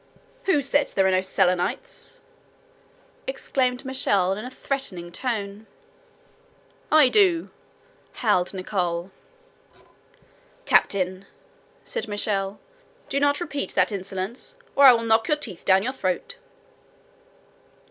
"Who said that there were no Selenites?" exclaimed Michel in a threatening tone. "I do," howled Nicholl. "Captain," said Michel, "do not repeat that insolence, or I will knock your teeth down your throat!"